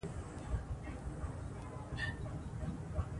بامیان په افغانستان کې د زرغونتیا یوه خورا لویه نښه ده.